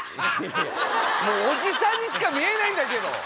もうおじさんにしか見えないんだけど！